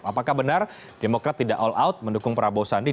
apakah benar demokrat tidak all out mendukung prabowo sandi